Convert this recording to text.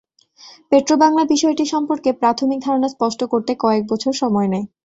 পেট্রোবাংলা বিষয়টি সম্পর্কে প্রাথমিক ধারণা স্পষ্ট করতে কয়েক বছর সময় নেয়।